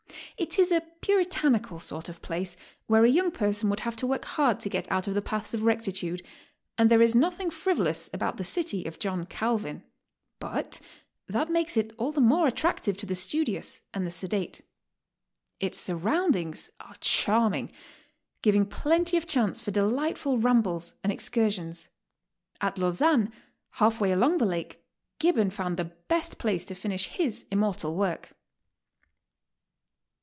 It is a Puritanical sort of place, where a young person would have to work hard to get out of the paths of rectitude; and there is nothing frivolous about the city of Joihn Calvin; but that makes it all the more at tractive to the studious and the sedate. Its surroundings are charming, giving plenty of chance for delightful rambles and excursions. At Lausanne, half way along the lake, Gibbon found the best place to finisih his immortal work.